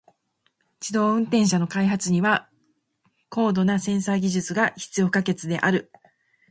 自動運転車の開発には高度なセンサー技術が必要不可欠である。